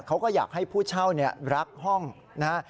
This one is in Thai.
เขาก็อยากให้ผู้เช่ารักห้องนะฮะ